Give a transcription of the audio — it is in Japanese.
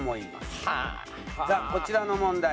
さあこちらの問題